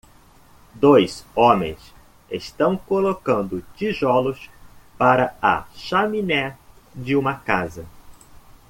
Dois homens estão colocando tijolos para a chaminé de uma casa.